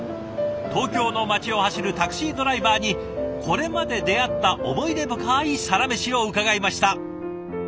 東京の街を走るタクシードライバーにこれまで出会った思い出深いサラメシを伺いました。